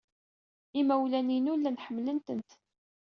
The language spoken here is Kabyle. Imawlan-inu llan ḥemmlen-tent.